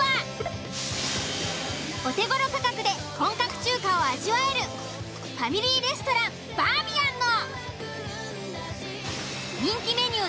お手ごろ価格で本格中華を味わえるファミリーレストラン「バーミヤン」の。